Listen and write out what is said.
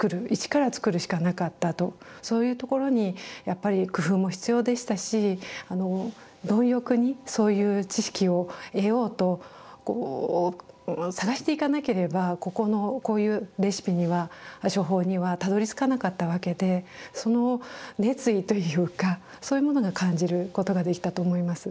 そういうところにやっぱり工夫も必要でしたしあの貪欲にそういう知識を得ようとこう探していかなければここのこういうレシピには処方にはたどりつかなかったわけでその熱意というかそういうものが感じることができたと思います。